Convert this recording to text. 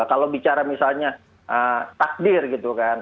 kalau bicara misalnya takdir gitu kan